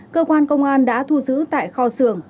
cơ quan công an đã thu giữ tại kho xưởng